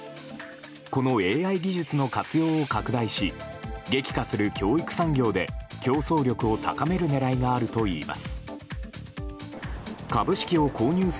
このＡＩ技術の活用を拡大し激化する教育産業で競争力を高める狙いがあるといいます。